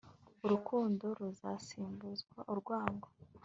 urukundo ruzasimbuza urwango